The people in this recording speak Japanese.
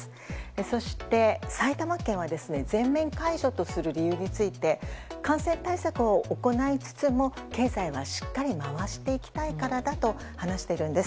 そして埼玉県は全面解除とする理由について感染対策を行いつつも、経済はしっかり回していきたいからだと話しているんです。